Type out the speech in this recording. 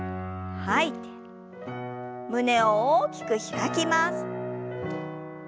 胸を大きく開きます。